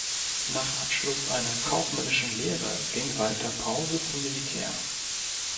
Nach Abschluss einer kaufmännischen Lehre ging Walter Pause zum Militär.